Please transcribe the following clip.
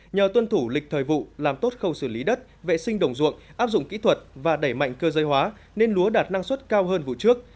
nhờ tuân thủ lịch thời vụ làm tốt khâu xử lý đất vệ sinh đồng ruộng áp dụng kỹ thuật và đẩy mạnh cơ giới hóa nên lúa đạt năng suất cao hơn vụ trước